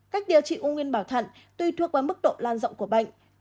cách điều trị u nguyên bảo thận tuy thuộc vào mức độ lan rộng của bệnh